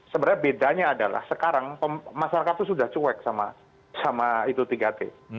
sebenarnya bedanya adalah sekarang masyarakat itu sudah cuek sama itu tiga t